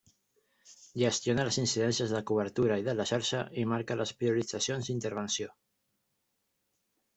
Gestiona les incidències de cobertura i de la xarxa i marca les prioritzacions d'intervenció.